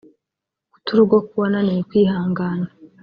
guta urugo k’uwananiwe kwihangana